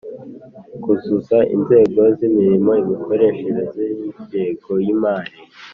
Kuzuza inzego z imirimo n imikoreshereze y ingengo y imari